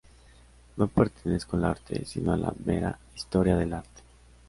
No pertenezco al arte, sino a la mera historia del arte.